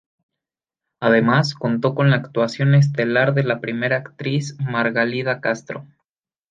Además, contó con la actuación estelar de la primera actriz Margalida Castro.